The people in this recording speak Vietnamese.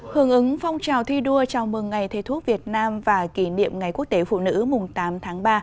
hưởng ứng phong trào thi đua chào mừng ngày thầy thuốc việt nam và kỷ niệm ngày quốc tế phụ nữ mùng tám tháng ba